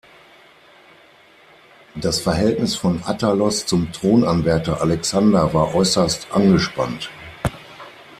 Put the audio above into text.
Das Verhältnis von Attalos zum Thronanwärter Alexander war äußerst angespannt.